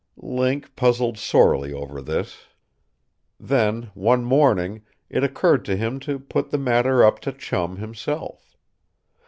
Link puzzled sorely over this. Then one morning it occurred to him to put the matter up to Chum himself.